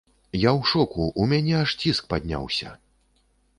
Я ў шоку, у мяне аж ціск падняўся.